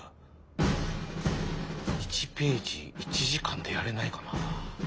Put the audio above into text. １ページ１時間でやれないかなあ。